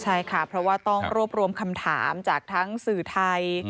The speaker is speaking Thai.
ใช่ค่ะเพราะว่าต้องรวบรวมคำถามจากทั้งสื่อไทย